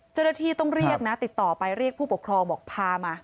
เจ้าหน้าที่ต้องเรียกนะติดต่อไปเรียกผู้ปกครองบอกพามา